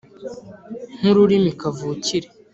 nk’ururimi kavukire,